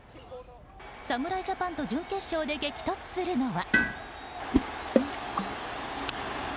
侍ジャパンと準決勝で激突するのは。